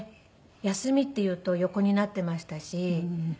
休みっていうと横になっていましたし。